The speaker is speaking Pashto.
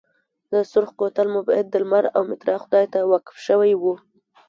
د سورخ کوتل معبد د لمر او میترا خدای ته وقف شوی و